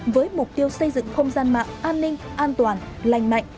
với mục tiêu xây dựng không gian mạng an ninh an toàn lành mạnh